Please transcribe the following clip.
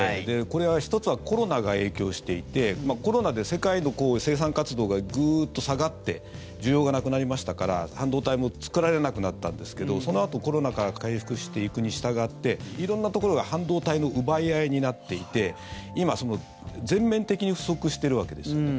これは１つはコロナが影響していてコロナで世界の生産活動がグッと下がって需要がなくなりましたから半導体も作られなくなったんですけどそのあと、コロナから回復していくにしたがって色んなところが半導体の奪い合いになっていて今、全面的に不足しているわけですよね。